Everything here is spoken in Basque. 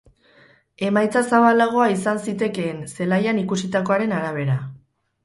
Emaitza zabalagoa izan zitekeen zelaian ikusitakoaren arabera.